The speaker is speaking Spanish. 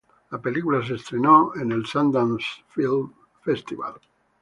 La película se estrenó en el Sundance Film Festival.